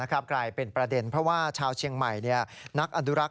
กลายเป็นประเด็นเพราะว่าชาวเชียงใหม่นักอนุรักษ